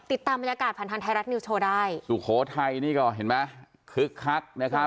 ติดตามบรรยากาศผ่านทางไทยรัฐนิวโชว์ได้สุโขทัยนี่ก็เห็นไหมคึกคักนะครับ